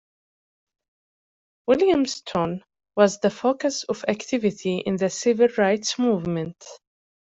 Williamston was the focus of activity in the civil rights movement.